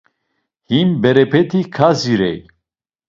Him berepeti kazirey.